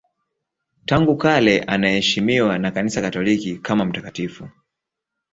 Tangu kale anaheshimiwa na Kanisa Katoliki kama mtakatifu.